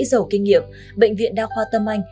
dầu kinh nghiệm bệnh viện đa khoa tâm anh